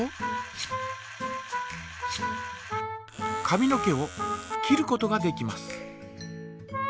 髪の毛を切ることができます。